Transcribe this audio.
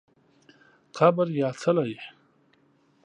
قبر یا څلی